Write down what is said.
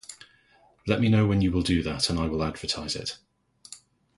Let me know when you will do that and I will advertise it.